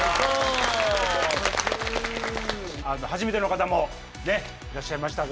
初めての方もねいらっしゃいましたが。